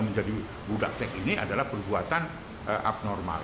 menjadi budak seks ini adalah perbuatan abnormal